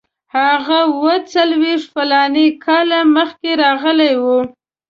هغه اوه څلوېښت فلاني کاله مخکې راغلی وو.